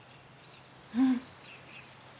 うん。